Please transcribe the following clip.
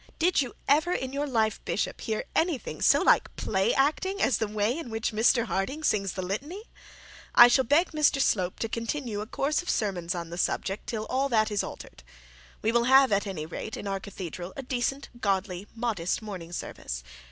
Did you ever in your life, bishop, hear anything so like play acting as the way in which Mr Harding sings the litany? I shall beg Mr Slope to continue a course of sermons on the subject till all that is altered. We will have at any rate, in our cathedral, a decent, godly, modest morning service.